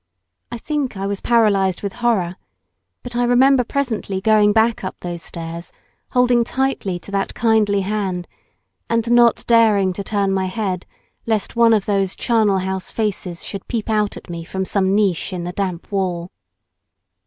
I think I was paralysed with horror, but I remember presently going back up those stairs, holding tightly to that kindly hand, and not daring to turn my head lest one of those charnel house faces should peep out at me from some niche in the damp wall.